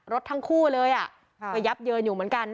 รถทั้งคู่เลยก็ยับเยินอยู่เหมือนกัน